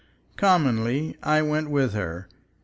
Commonly I went with her.